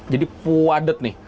jadi padat nih